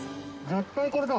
絶対これだ！